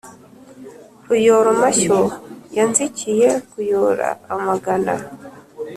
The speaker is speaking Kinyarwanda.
Ruyora-mashyo yanzikiye kuyora amagana.